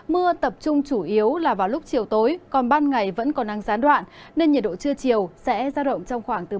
mưa tập trung chủ yếu là vào lúc chiều tối còn ban ngày vẫn có nắng gián đoạn nên nhiệt độ trưa chiều sẽ ra động trong khoảng từ ba mươi một ba mươi bốn độ